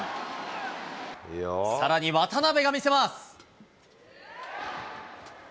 さらに渡辺が見せます。